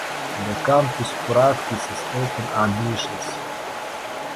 The campus practices open admissions.